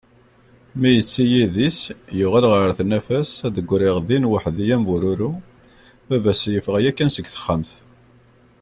Mi yetti idis yuɣal ɣer tnafa-s ad d-griɣ din waḥdi am bururu. Baba-s yeffeɣ yakkan seg texxamt.